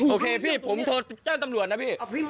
โอเคพี่ผมโทรแจ้งตำรวจนะพี่